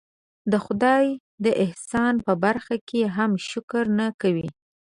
د خدای د احسان په برخه کې هم شکر نه کوي.